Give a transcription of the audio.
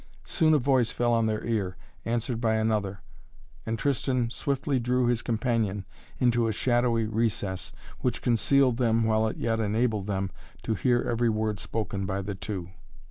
Soon a voice fell on their ear, answered by another, and Tristan swiftly drew his companion into a shadowy recess which concealed them while it yet enabled them to hear every word spoken by the two.